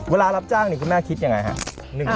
เวลารับจ้างคุณแม่คิดยังไงครับ